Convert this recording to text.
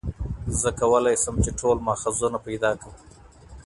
زه کولای شم چي ټول ماخذونه پیدا کړم.